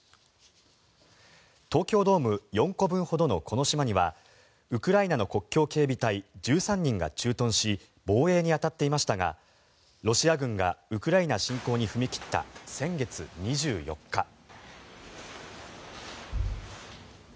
東京ドーム４個分ほどのこの島にはウクライナの国境警備隊１３人が駐屯し防衛に当たっていましたがロシア軍がウクライナ侵攻に踏み切った先月２４日。